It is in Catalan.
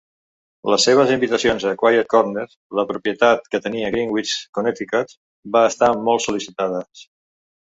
Les seves invitacions a "Quiet Corner", la propietat que tenia a Greenwich, Connecticut, van estar molt sol·licitades.